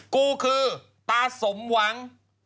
กูคือตาสมหวัง